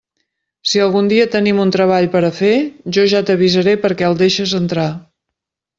Si algun dia tenim un treball per a fer, jo ja t'avisaré perquè el deixes entrar.